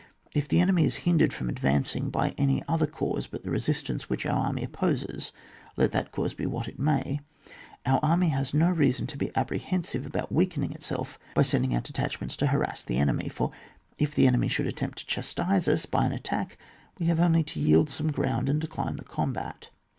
If the enemy is hindered from ad vancing by any other cause but the resistance which our army opposes, let that cause be what it may, then our army has no reason to be apprehensive about weakening itself by sending out detachments to harass the enemy ; for if the enemy should attempt to chastise us by an attack, we have only to yield some ground and decline the combat.